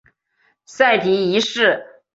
塞提一世。